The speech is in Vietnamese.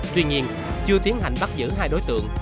tuy nhiên chưa tiến hành bắt giữ hai đối tượng